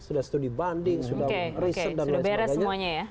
sudah studi banding sudah riset dan lain sebagainya